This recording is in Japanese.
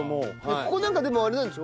ここでもあれなんでしょ？